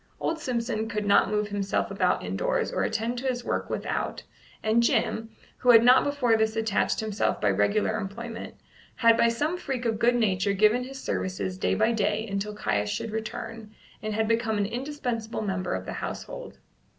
Old Simpson could not move himself about indoors or attend to his work without, and Jim, who had not before this attached himself by regular employment, had by some freak of good nature given his services day by day until Caius should return, and had become an indispensable member of the household.